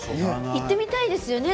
言ってみたいですよね